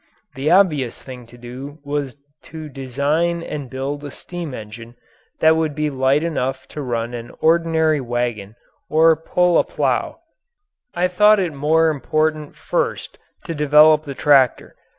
The obvious thing to do was to design and build a steam engine that would be light enough to run an ordinary wagon or to pull a plough. I thought it more important first to develop the tractor.